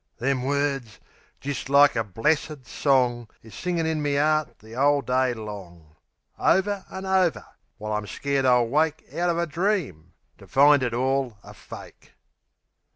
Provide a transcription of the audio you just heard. Them words, jist like a blessed song, Is singin' in me 'eart the 'ole day long; Over an' over; while I'm scared I'll wake Out of a dream, to find it all a fake.